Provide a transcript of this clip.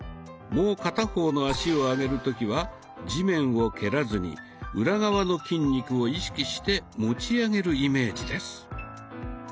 もう片方の脚を上げる時は地面を蹴らずに裏側の筋肉を意識して持ち上げるイメージです。